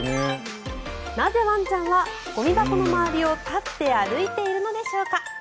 なぜワンちゃんはゴミ箱の周りを立って歩いているのでしょうか。